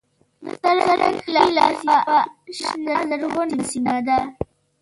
د سړک ښی لاس یوه شنه زرغونه سیمه ده.